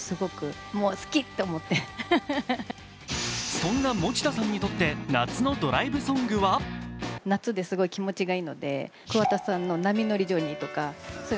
そんな持田さんにとって夏のドライブソングは続いてはお天気です、